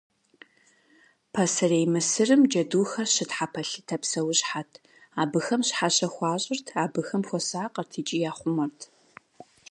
Пасэрей Мысырым джэдухэр щытхьэпэлъытэ псэущхьэт, абыхэм щхьэщэ хуащӏырт, абыхэм хуэсакъырт икӏи яхъумэрт.